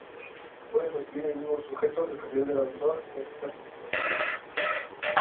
Pueden coincidir en el mismo sujeto las capacidades del autor y artista, por supuesto.